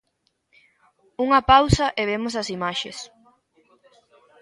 Unha pausa e vemos as imaxes.